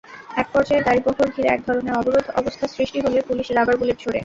একপর্যায়ে গাড়িবহর ঘিরে একধরনের অবরোধ অবস্থার সৃষ্টি হলে পুলিশ রাবার বুলেট ছোড়ে।